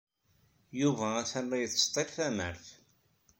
Yuba atan la yettseḍḍil tamart.